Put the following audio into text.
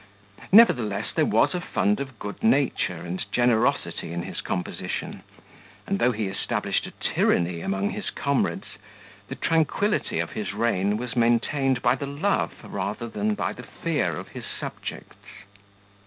Nevertheless there was a fund of good nature and generosity in his composition; and though he established a tyranny among his comrades, the tranquility of his reign was maintained by the love rather than by the fear of his subjects.